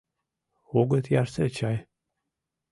Огыт ярсе чай.